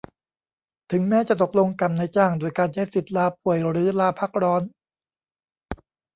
ถึงแม้จะตกลงกับนายจ้างด้วยการใช้สิทธิ์ลาป่วยหรือลาพักร้อน